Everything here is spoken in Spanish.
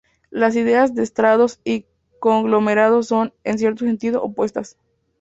Las ideas de estratos y conglomerados son, en cierto sentido, opuestas.